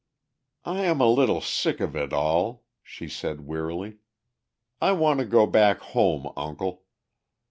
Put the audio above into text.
"I am a little sick of it all," she said wearily. "I want to go back home, uncle."